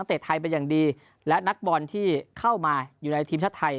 เตะไทยเป็นอย่างดีและนักบอลที่เข้ามาอยู่ในทีมชาติไทย